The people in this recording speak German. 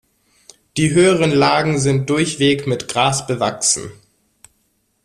Die höheren Lagen sind durchweg mit Gras bewachsen.